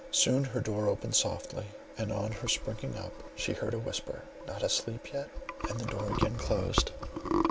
Soon her door opened softly, and on her springing up, she heard a whisper, "Not asleep yet," and the door again closed.